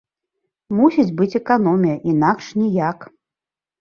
Мусіць быць эканомія, інакш ніяк.